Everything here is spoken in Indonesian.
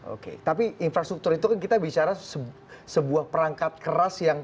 oke tapi infrastruktur itu kan kita bicara sebuah perangkat keras yang